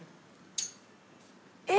えっ！？